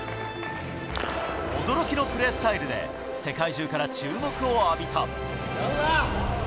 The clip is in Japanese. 驚きのプレースタイルで世界中から注目を浴びた。